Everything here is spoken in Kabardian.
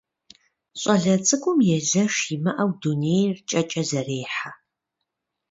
ЩӀалэ цӀыкӀум езэш имыӀэу дунейр кӀэкӀэ зэрехьэ.